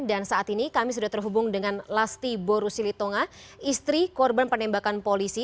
dan saat ini kami sudah terhubung dengan lasti borusili tonga istri korban penembakan polisi